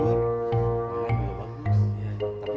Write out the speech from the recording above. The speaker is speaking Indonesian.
karena dia bagus ya